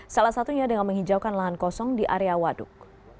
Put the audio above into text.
salah satunya dengan menghijaukan lahan kosong di area waduk